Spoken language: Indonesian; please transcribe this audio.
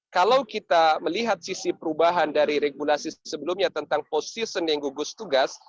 kalau kita melihat sisi perubahan dari regulasi sebelumnya tentang positioning gugus tugas